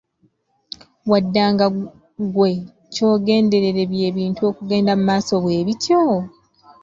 Waddanga ggwe, ky’ogenderera bye bintu okugenda mu maaso bwebityo?